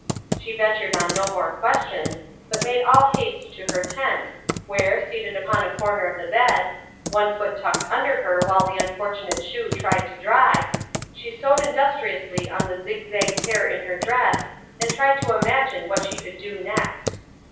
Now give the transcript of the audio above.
She ventured on no more questions, but made all haste to her tent, where, seated upon a corner of the bed, one foot tucked under her while the unfortunate shoe tried to dry, she sewed industriously on the zig zag tear in her dress, and tried to imagine what she could do next.